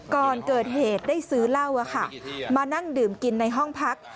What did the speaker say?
ก่อนเกิดเหตุได้ซื้อเหล้ามานั่งดื่มกินในห้องพัก